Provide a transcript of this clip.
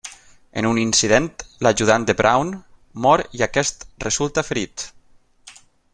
En un incident, l'ajudant de Brown mor i aquest resulta ferit.